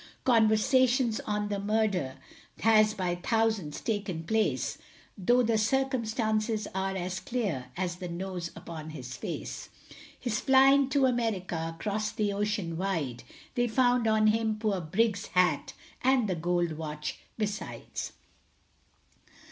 Conversations on the murder, Has by thousands taken place; Though the circumstances are as clear As the nose upon his face: His flying to America, Across the ocean wide, They found on him poor Briggs's hat And the gold watch besides.